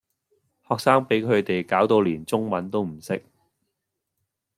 學生比佢地攪到連中文都唔識